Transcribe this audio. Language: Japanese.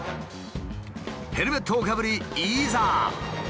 ヘルメットをかぶりいざ！